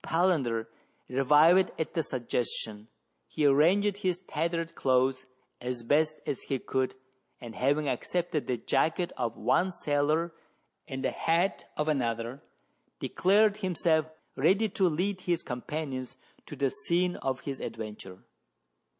Palander revived at the suggestion : he arranged his tattered clothes as best he could, and having accepted the jacket of one sailor and the hat of another, declared himself ready to lead his companions to the scene of his adventure.